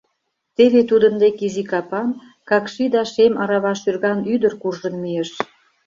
Теве тудын дек изи капан, какши да шем арава шӱрган ӱдыр куржын мийыш.